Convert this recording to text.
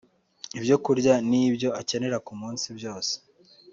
ibyo kurya n’ibyo akenera ku munsi byose